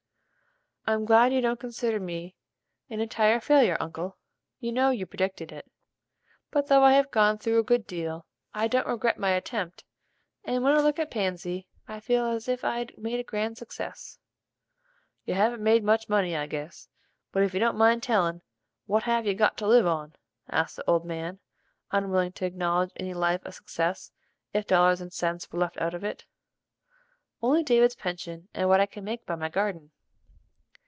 "I'm glad you don't consider me an entire failure, uncle. You know you predicted it. But though I have gone through a good deal, I don't regret my attempt, and when I look at Pansy I feel as if I'd made a grand success." "You haven't made much money, I guess. If you don't mind tellin', what have you got to live on?" asked the old man, unwilling to acknowledge any life a success, if dollars and cents were left out of it. "Only David's pension and what I can make by my garden."